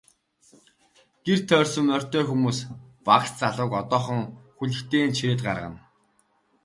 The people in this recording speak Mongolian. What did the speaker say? Гэр тойрсон морьтой хүмүүс багш залууг одоохон хүлэгтэй нь чирээд гаргана.